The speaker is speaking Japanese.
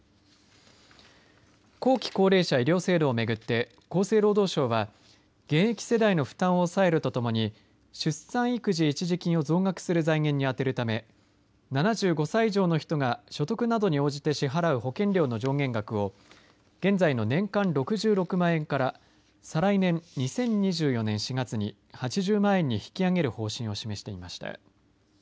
後期高齢者医療制度を巡って厚生労働省は現役世代の負担を抑えるとともに出産育児一時金を増額する財源に充てるため７５歳以上の人が所得などに応じて支払う保険料の上限額を現在の年間６６万円から再来年２０２４年４月に８０万円に引き上げる方針を示していました。